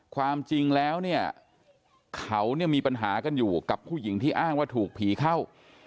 ความจริงแล้วเนี่ยเขาเนี่ยมีปัญหากันอยู่กับผู้หญิงที่อ้างว่าถูกผีเข้า